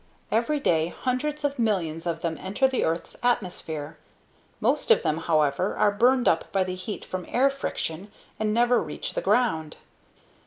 Every day, hundreds of millions of them enter the earth's atmosphere. Most of them, however, are burned up by the heat from air friction and never reach the ground.